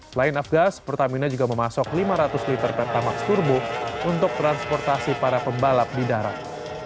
selain afgas pertamina juga memasok lima ratus liter pertamax turbo untuk transportasi para pembalap di darat